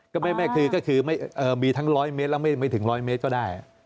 ก็ไม่คือก็คือมีทั้ง๑๐๐เมตรแล้วไม่ถึง๑๐๐เมตรก็ได้